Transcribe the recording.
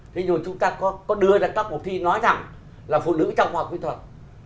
thế nhưng mà chúng ta có đưa ra các cuộc thi nói rằng là phụ nữ trong học vi thuật